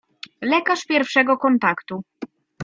Lekarz pierwszego kontaktu.